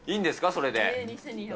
それで。